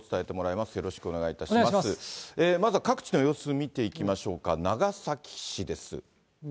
まずは各地の様子見ていきましょうか、長崎市です。